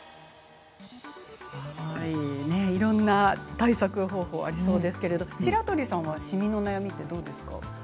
いろんな対策方法がありそうですけれど、白鳥さんはシミの悩みどうですか？